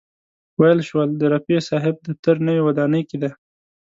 ویل شول د رفیع صاحب دفتر نوې ودانۍ کې دی.